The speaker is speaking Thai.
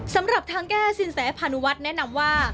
สำหรับทางแก้สินแสพานุวัฒน์แนะนำว่า